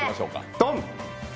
ドン！